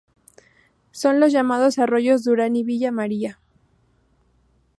Son los llamados arroyos Durán y Villa María.